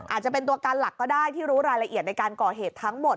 อาจจะเป็นตัวการหลักก็ได้ที่รู้รายละเอียดในการก่อเหตุทั้งหมด